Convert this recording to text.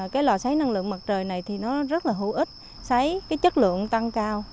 cái lò xáy năng lượng mặt trời này thì nó rất là hữu ích xây cái chất lượng tăng cao